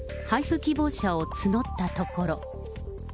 配布希望者を募ったところ。